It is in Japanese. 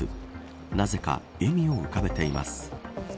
なぜか笑みを浮かべています。